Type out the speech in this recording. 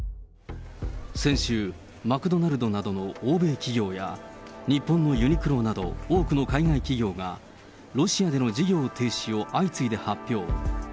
先週、マクドナルドなどの欧米企業や、日本のユニクロなど多くの海外企業が、ロシアでの事業停止を相次いで発表。